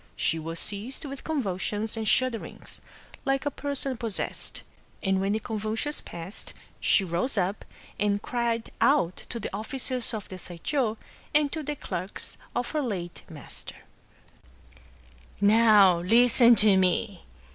She was seized with con vulsions and shudderings, like a person possessed ; and when the convulsions passed, she rose up, and cried out to the officers of the Saisho, and to the clerks of her late master :— "Now listen to me!